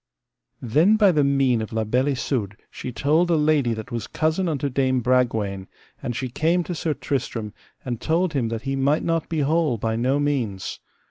Then by the mean of La Beale Isoud she told a lady that was cousin unto Dame Bragwaine, and she came to Sir Tristram, and told him that he might not be whole by no means.